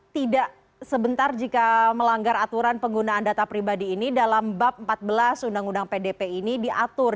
tidak sebentar jika melanggar aturan penggunaan data pribadi ini dalam bab empat belas undang undang pdp ini diatur